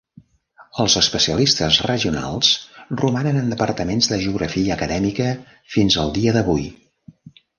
Els especialistes regionals romanen en departaments de Geografia acadèmica fins al dia d'avui.